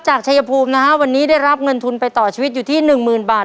ชายภูมินะฮะวันนี้ได้รับเงินทุนไปต่อชีวิตอยู่ที่หนึ่งหมื่นบาท